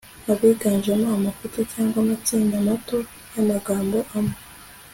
abiganjemo amafoto cyangwa amatsinda mato yamagambo amwe